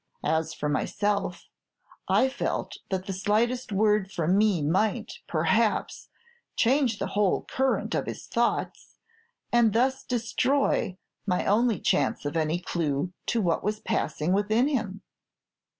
As for myself, I felt that the slightest word from me might, perhaps, change the whole current of his thoughts, and thus destroy my only chance of any clew to what was passing within him.